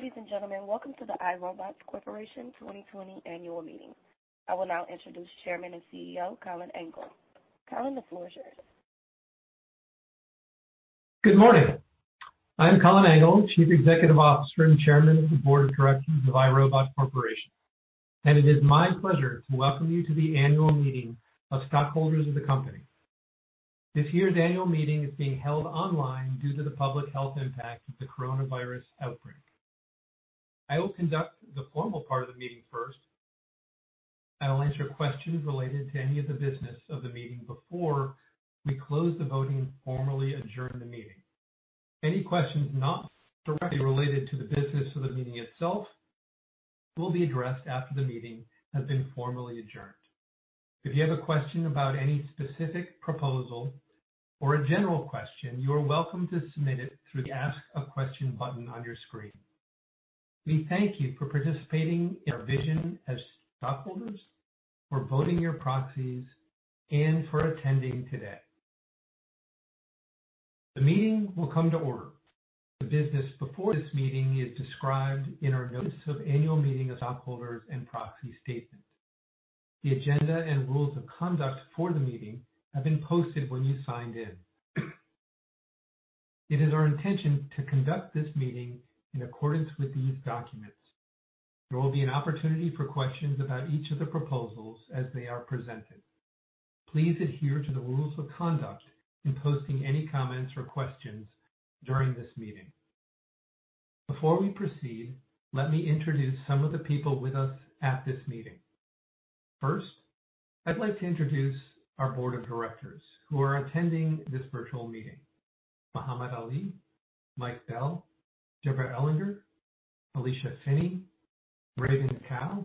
Ladies and gentlemen, Welcome to The iRobot Corporation 2020 Annual Meeting. I will now introduce Chairman and CEO Colin Angle. Colin, the floor is yours. Good morning. I'm Colin Angle, Chief Executive Officer and Chairman of the Board of Directors of iRobot Corporation, and it is my pleasure to welcome you to the annual meeting of stockholders of the company. This year's annual meeting is being held online due to the public health impact of the coronavirus outbreak. I will conduct the formal part of the meeting first. I will answer questions related to any of the business of the meeting before we close the voting and formally adjourn the meeting. Any questions not directly related to the business of the meeting itself will be addressed after the meeting has been formally adjourned. If you have a question about any specific proposal or a general question, you are welcome to submit it through the Ask a Question button on your screen. We thank you for participating in our vision as stockholders, for voting your proxies, and for attending today. The meeting will come to order. The business before this meeting is described in our Notice of Annual Meeting of Stockholders and Proxy Statement. The agenda and rules of conduct for the meeting have been posted when you signed in. It is our intention to conduct this meeting in accordance with these documents. There will be an opportunity for questions about each of the proposals as they are presented. Please adhere to the rules of conduct in posting any comments or questions during this meeting. Before we proceed, let me introduce some of the people with us at this meeting. First, I'd like to introduce our Board of Directors who are attending this virtual meeting: Mohamad Ali, Michael Bell, Deborah Ellinger, Elisha Finney, Ruey-Bin Kao,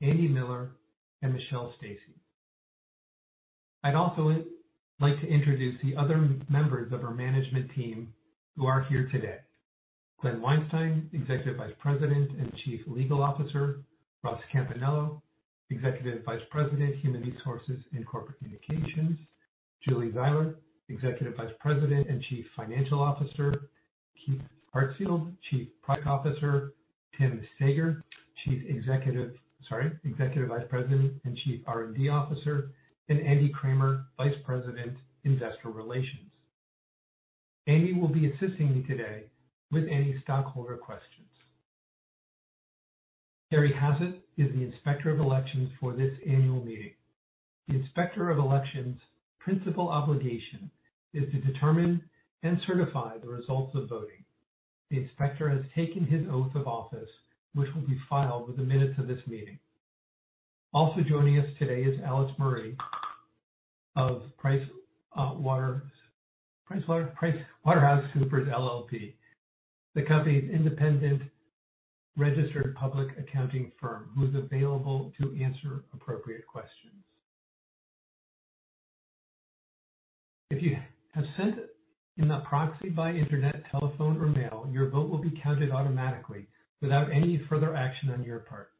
Andrew Miller, and Michelle Stacy. I'd also like to introduce the other members of our management team who are here today: Glen Weinstein, Executive Vice President and Chief Legal Officer, Russ Campanello, Executive Vice President, Human Resources and Corporate Communications, Julie Zeiler, Executive Vice President and Chief Financial Officer, Keith Hartsfield, Chief Product Officer, Tim Saeger, Chief Executive, sorry, Executive Vice President and Chief R&D Officer, and Andy Kramer, Vice President, Investor Relations. Andy will be assisting me today with any stockholder questions. Gary Hazzard is the Inspector of Elections for this annual meeting. The Inspector of Elections' principal obligation is to determine and certify the results of voting. The Inspector has taken his oath of office, which will be filed within minutes of this meeting. Also joining us today is Alice Murray of PricewaterhouseCoopers LLP, the company's independent registered public accounting firm who's available to answer appropriate questions. If you have sent in a proxy by internet, telephone, or mail, your vote will be counted automatically without any further action on your part.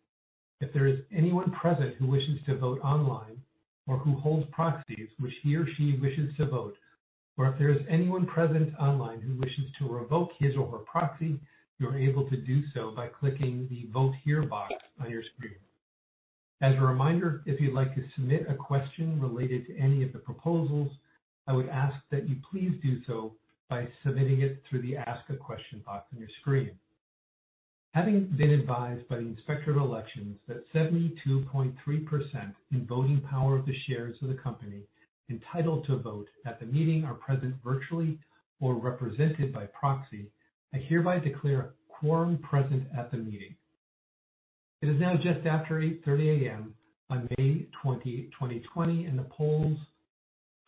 If there is anyone present who wishes to vote online or who holds proxies which he or she wishes to vote, or if there is anyone present online who wishes to revoke his or her proxy, you are able to do so by clicking the Vote Here box on your screen. As a reminder, if you'd like to submit a question related to any of the proposals, I would ask that you please do so by submitting it through the Ask a Question box on your screen. Having been advised by the Inspector of Elections that 72.3% in voting power of the shares of the company entitled to vote at the meeting are present virtually or represented by proxy, I hereby declare a quorum present at the meeting. It is now just after 8:30 A.M. on May 20, 2020, and the polls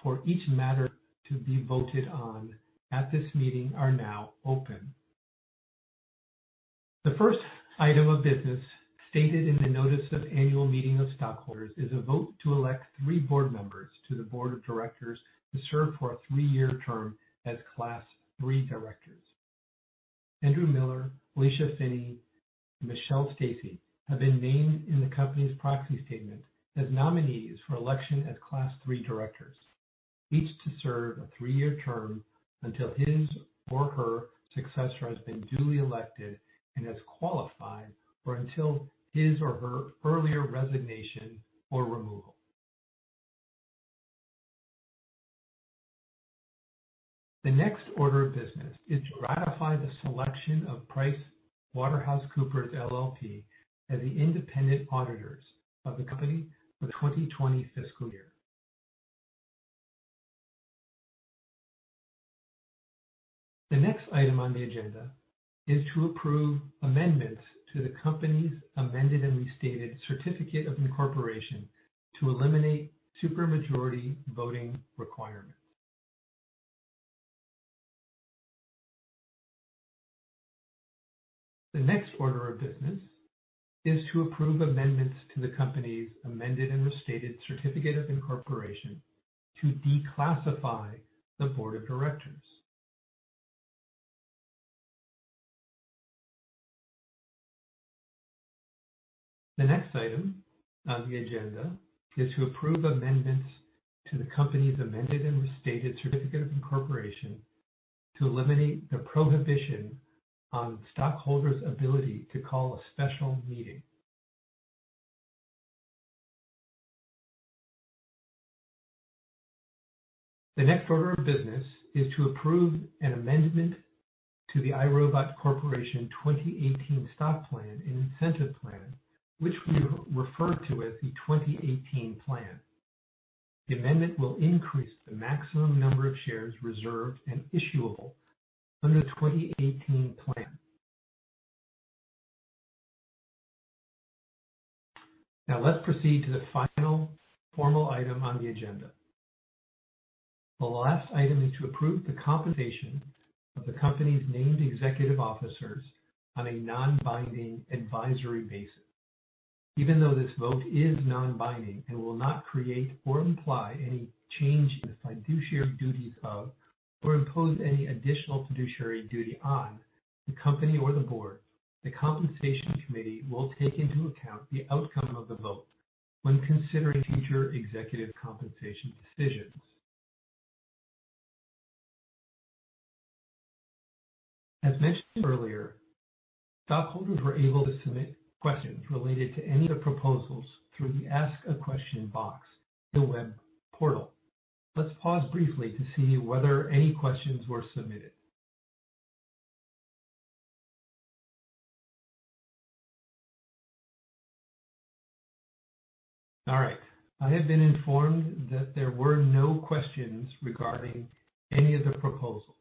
for each matter to be voted on at this meeting are now open. The first item of business stated in the Notice of Annual Meeting of Stockholders is a vote to elect three board members to the Board of Directors to serve for a three-year term as Class III Directors. Andrew Miller, Elisha Finney, and Michelle Stacy have been named in the company's proxy statement as nominees for election as Class III Directors, each to serve a three-year term until his or her successor has been duly elected and has qualified, or until his or her earlier resignation or removal. The next order of business is to ratify the selection of PricewaterhouseCoopers LLP as the independent auditors of the company for the 2020 fiscal year. The next item on the agenda is to approve amendments to the company's Amended and Restated Certificate of Incorporation to eliminate supermajority voting requirements. The next order of business is to approve amendments to the company's Amended and Restated Certificate of Incorporation to declassify the Board of Directors. The next item on the agenda is to approve amendments to the company's Amended and Restated Certificate of Incorporation to eliminate the prohibition on stockholders' ability to call a special meeting. The next order of business is to approve an amendment to the iRobot Corporation 2018 Stock Plan and Incentive Plan, which we refer to as the 2018 Plan. The amendment will increase the maximum number of shares reserved and issuable under the 2018 Plan. Now, let's proceed to the final formal item on the agenda. The last item is to approve the compensation of the company's named executive officers on a non-binding advisory basis. Even though this vote is non-binding and will not create or imply any change in the fiduciary duties of or impose any additional fiduciary duty on the company or the board, the Compensation Committee will take into account the outcome of the vote when considering future executive compensation decisions. As mentioned earlier, stockholders were able to submit questions related to any of the proposals through the Ask a Question box in the web portal. Let's pause briefly to see whether any questions were submitted. All right. I have been informed that there were no questions regarding any of the proposals,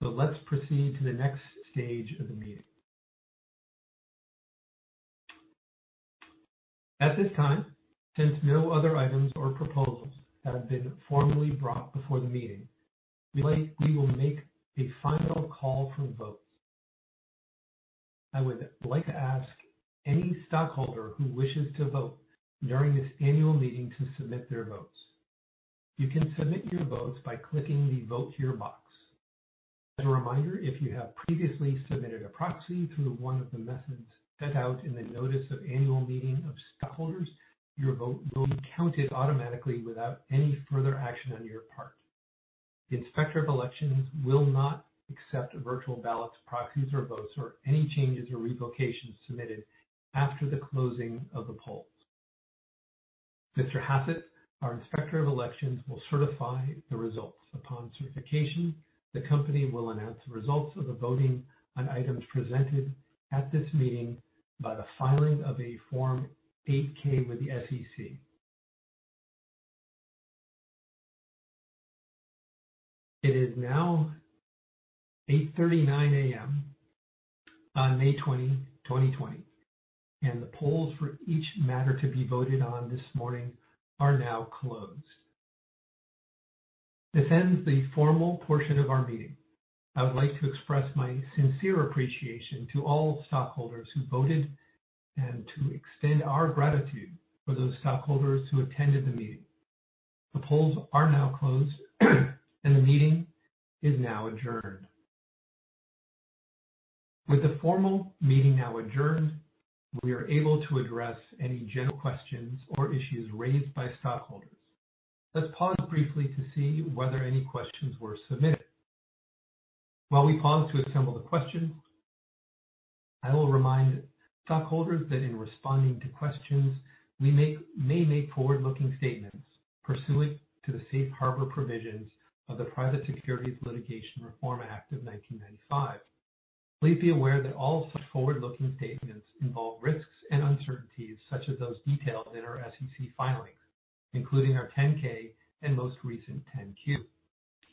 so let's proceed to the next stage of the meeting. At this time, since no other items or proposals have been formally brought before the meeting, we will make a final call for votes. I would like to ask any stockholder who wishes to vote during this annual meeting to submit their votes. You can submit your votes by clicking the Vote Here box. As a reminder, if you have previously submitted a proxy through one of the methods set out in the Notice of Annual Meeting of Stockholders, your vote will be counted automatically without any further action on your part. The Inspector of Elections will not accept virtual ballots, proxies, or votes or any changes or revocations submitted after the closing of the polls. Mr. Hazzard, our Inspector of Elections, will certify the results. Upon certification, the company will announce the results of the voting on items presented at this meeting by the filing of a Form 8-K with the SEC. It is now 8:39 A.M. On May 20, 2020, and the polls for each matter to be voted on this morning are now closed. This ends the formal portion of our meeting. I would like to express my sincere appreciation to all stockholders who voted and to extend our gratitude for those stockholders who attended the meeting. The polls are now closed, and the meeting is now adjourned. With the formal meeting now adjourned, we are able to address any general questions or issues raised by stockholders. Let's pause briefly to see whether any questions were submitted. While we pause to assemble the questions, I will remind stockholders that in responding to questions, we may make forward-looking statements pursuant to the safe harbor provisions of the Private Securities Litigation Reform Act of 1995. Please be aware that all forward-looking statements involve risks and uncertainties such as those detailed in our SEC filings, including our 10-K and most recent 10-Q.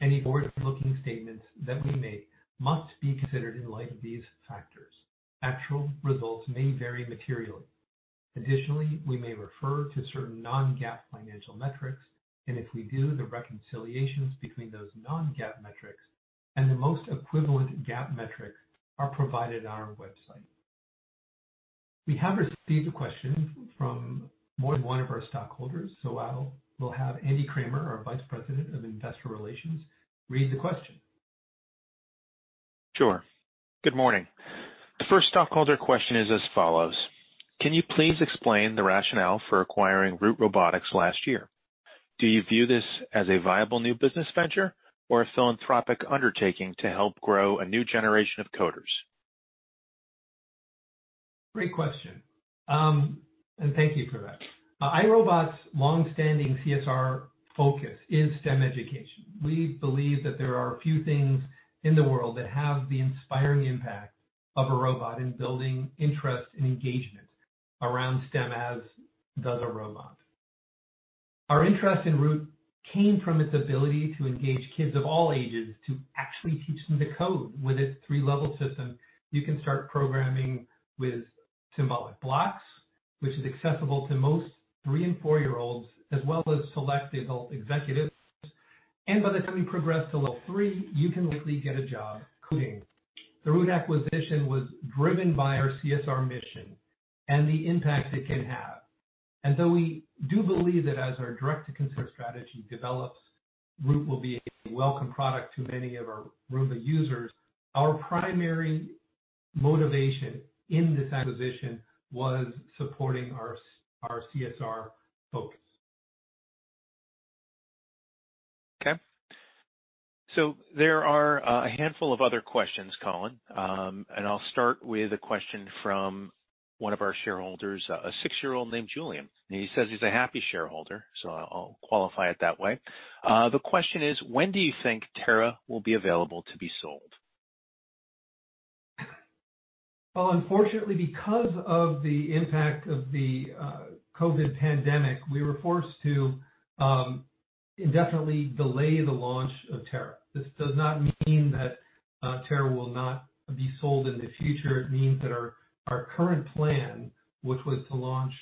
Any forward-looking statements that we make must be considered in light of these factors. Actual results may vary materially. Additionally, we may refer to certain non-GAAP financial metrics, and if we do, the reconciliations between those non-GAAP metrics and the most equivalent GAAP metrics are provided on our website. We have received a question from more than one of our stockholders, so I will have Andy Kramer, our Vice President of Investor Relations, read the question. Sure. Good morning. The first stockholder question is as follows: Can you please explain the rationale for acquiring Root Robotics last year? Do you view this as a viable new business venture or a philanthropic undertaking to help grow a new generation of coders? Great question, and thank you for that. iRobot's long-standing CSR focus is STEM education. We believe that there are a few things in the world that have the inspiring impact of a robot in building interest and engagement around STEM as does a robot. Our interest in Root came from its ability to engage kids of all ages to actually teach them to code with its three-level system. You can start programming with symbolic blocks, which is accessible to most three- and four-year-olds, as well as select adult executives. And by the time you progress to level three, you can likely get a job coding. The Root acquisition was driven by our CSR mission and the impact it can have. And though we do believe that as our direct-to-consumer strategy develops, Root will be a welcome product to many of our Roomba users, our primary motivation in this acquisition was supporting our CSR focus. Okay. So there are a handful of other questions, Colin, and I'll start with a question from one of our shareholders, a six-year-old named Julian. He says he's a happy shareholder, so I'll qualify it that way. The question is: When do you think Terra will be available to be sold? Unfortunately, because of the impact of the COVID pandemic, we were forced to indefinitely delay the launch of Terra. This does not mean that Terra will not be sold in the future. It means that our current plan, which was to launch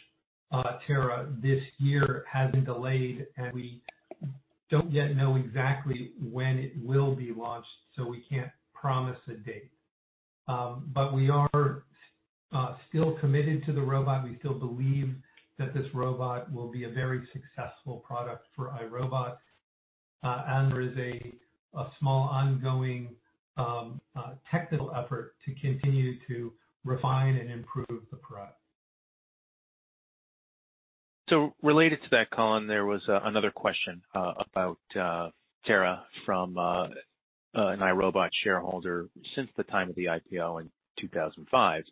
Terra this year, has been delayed, and we don't yet know exactly when it will be launched, so we can't promise a date. But we are still committed to the robot. We still believe that this robot will be a very successful product for iRobot, and there is a small ongoing technical effort to continue to refine and improve the product. So, related to that, Colin, there was another question about Terra from an iRobot shareholder since the time of the IPO in 2005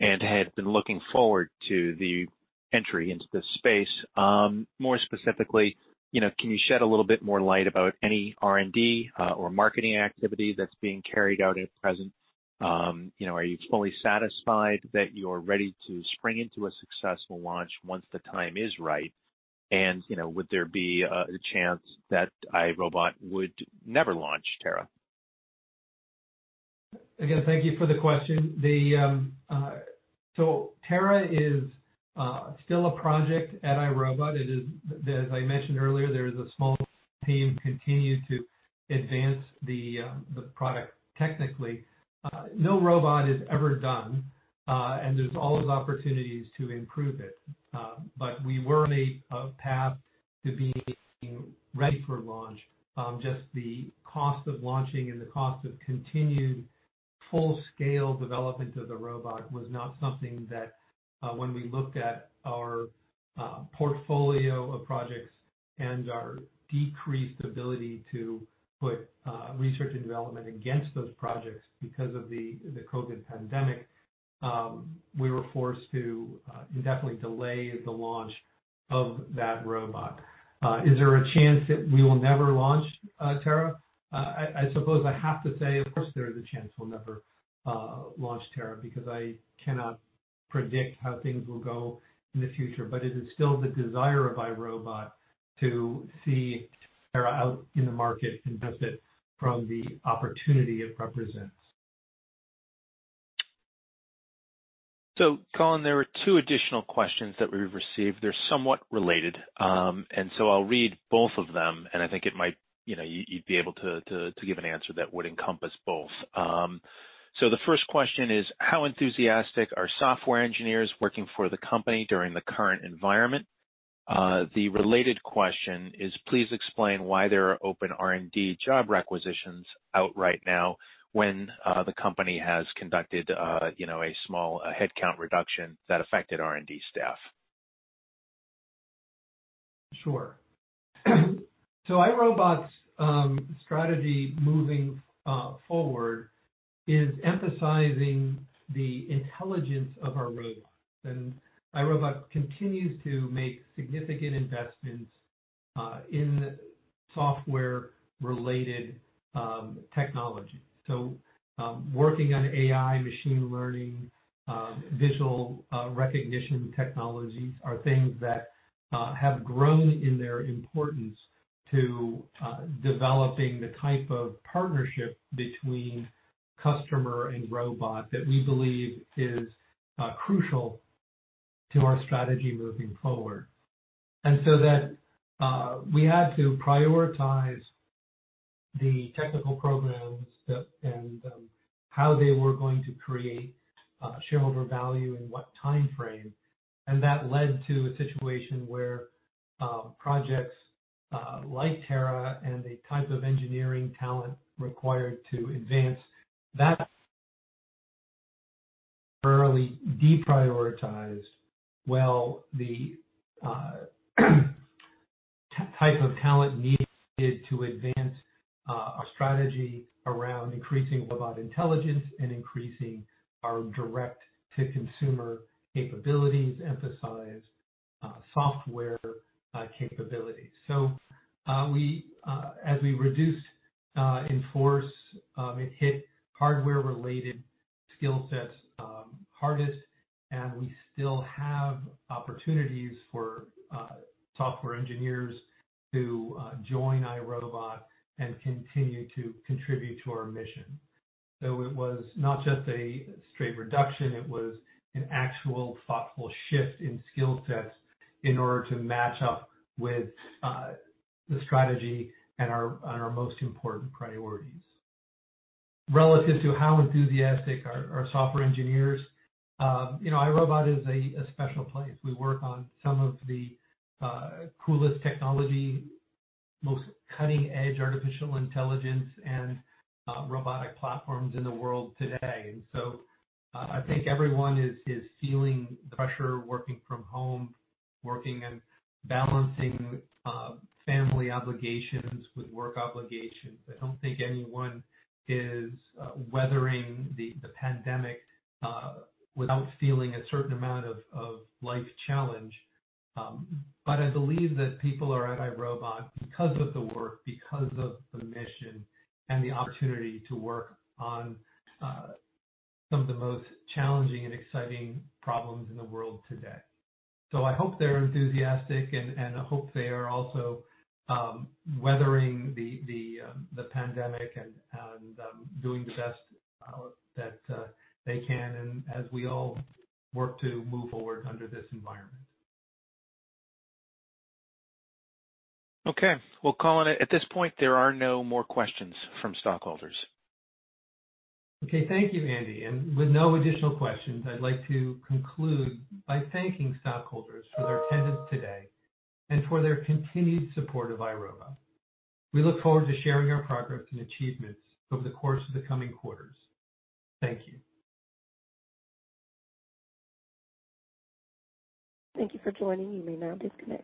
and had been looking forward to the entry into this space. More specifically, can you shed a little bit more light about any R&D or marketing activity that's being carried out at present? Are you fully satisfied that you're ready to spring into a successful launch once the time is right? And would there be a chance that iRobot would never launch Terra? Again, thank you for the question. So Terra is still a project at iRobot. As I mentioned earlier, there is a small team continuing to advance the product technically. No robot is ever done, and there's always opportunities to improve it. But we were on a path to being ready for launch. Just the cost of launching and the cost of continued full-scale development of the robot was not something that, when we looked at our portfolio of projects and our decreased ability to put research and development against those projects because of the COVID pandemic, we were forced to indefinitely delay the launch of that robot. Is there a chance that we will never launch Terra? I suppose I have to say, of course, there is a chance we'll never launch Terra because I cannot predict how things will go in the future. But it is still the desire of iRobot to see Terra out in the market and benefit from the opportunity it represents. So, Colin, there are two additional questions that we've received. They're somewhat related, and so I'll read both of them, and I think you'd be able to give an answer that would encompass both. So the first question is: How enthusiastic are software engineers working for the company during the current environment? The related question is: Please explain why there are open R&D job requisitions out right now when the company has conducted a small headcount reduction that affected R&D staff. Sure. So iRobot's strategy moving forward is emphasizing the intelligence of our robots. And iRobot continues to make significant investments in software-related technology. So working on AI, machine learning, visual recognition technologies are things that have grown in their importance to developing the type of partnership between customer and robot that we believe is crucial to our strategy moving forward. And so we had to prioritize the technical programs and how they were going to create shareholder value and what time frame. And that led to a situation where projects like Terra and the type of engineering talent required to advance that were rarely deprioritized while the type of talent needed to advance our strategy around increasing robot intelligence and increasing our direct-to-consumer capabilities emphasized software capabilities. As we reduced in force, it hit hardware-related skill sets hardest, and we still have opportunities for software engineers to join iRobot and continue to contribute to our mission. It was not just a straight reduction. It was an actual thoughtful shift in skill sets in order to match up with the strategy and our most important priorities. Relative to how enthusiastic our software engineers are, iRobot is a special place. We work on some of the coolest technology, most cutting-edge artificial intelligence, and robotic platforms in the world today, and so I think everyone is feeling the pressure working from home, working and balancing family obligations with work obligations. I don't think anyone is weathering the pandemic without feeling a certain amount of life challenge. But I believe that people are at iRobot because of the work, because of the mission, and the opportunity to work on some of the most challenging and exciting problems in the world today. So I hope they're enthusiastic, and I hope they are also weathering the pandemic and doing the best that they can as we all work to move forward under this environment. Okay. Well, Colin, at this point, there are no more questions from stockholders. Okay. Thank you, Andy, and with no additional questions, I'd like to conclude by thanking stockholders for their attendance today and for their continued support of iRobot. We look forward to sharing our progress and achievements over the course of the coming quarters. Thank you. Thank you for joining. You may now disconnect.